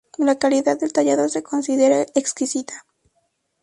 La calidad del tallado se considera exquisita.